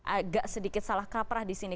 agak sedikit salah kaprah di sini